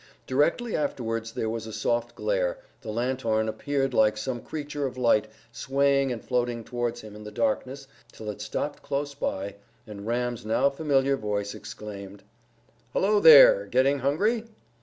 Directly afterwards there was a soft glare, the lanthorn appeared like some creature of light swaying and floating towards him in the darkness till it stopped close by, and Ram's now familiar voice exclaimed, "Hullo there! Getting hungry?"